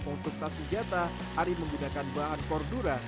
untuk tas senjata ari menggunakan bahan kordura